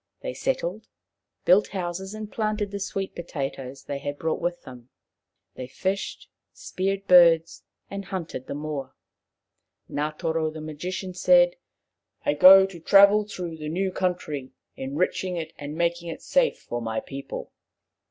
They settled, built houses, and planted the sweet potatoes they had brought with them. They fished, speared birds, and hunted the moa. Ngatoro the magician said :" I go to travel through the new country, enriching it and making it safe for my people."